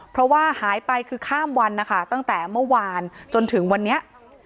เพราะว่าหายไปคือข้ามวันนะคะตั้งแต่เมื่อวานจนถึงวันนี้